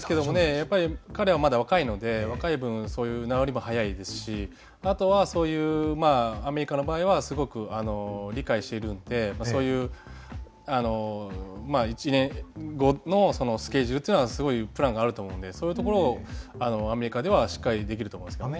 やっぱり彼はまだ若いので若い分そういう治りも早いですしあとはそういうアメリカの場合はすごく理解しているのでそういう１年後のスケジュールというのはすごいプランがあると思うのでそういうところをアメリカではしっかりできると思いますけどね。